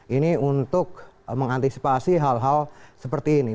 ini untuk mengantisipasi hal hal seperti ini